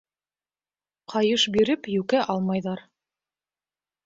Ҡайыш биреп йүкә алмайҙар.